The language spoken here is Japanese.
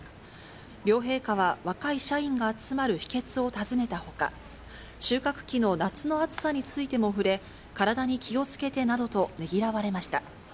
両陛下は、若い社員が集まる秘けつを尋ねたほか、収穫期の夏の暑さについても触れ、体に気をつけてなどと、ねぎらわれました。